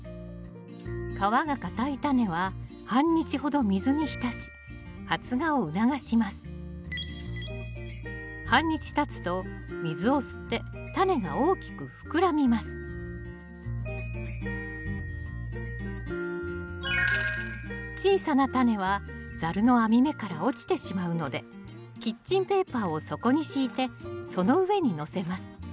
皮が硬いタネは半日たつと水を吸ってタネが大きく膨らみます小さなタネはザルの網目から落ちてしまうのでキッチンペーパーを底に敷いてその上にのせます。